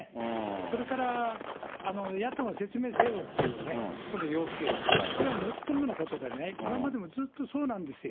それから、野党が説明せよというこの要求、これはもっともなことでね、今までもずっとそうなんですよ。